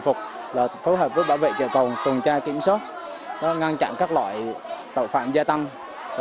phục là phối hợp với bảo vệ chợ cầu tuần tra kiểm soát nó ngăn chặn các loại tàu phạm gia tăng và